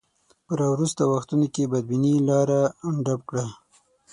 په راوروسته وختونو کې بدبینۍ لاره ډب کړه.